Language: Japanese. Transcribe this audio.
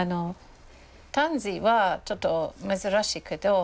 タンジーはちょっと珍しいけど。